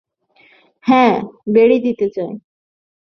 হাঁ, বেড়ি দিতে চাই।